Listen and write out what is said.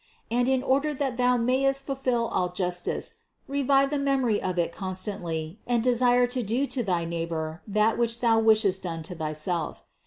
And in order that thou mayst fulfill all justice, revive the memory of it constantly and desire to do to thy neighbor that which thou wishest done to thyself.